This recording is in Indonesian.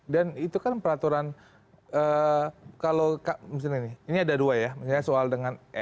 dan itu kan peraturan kalau misalnya ini ada dua ya misalnya soal dengan lhkpn